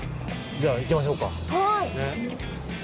じゃあ行きましょうか。